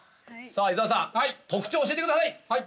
◆さあ伊沢さん、特徴を教えてください。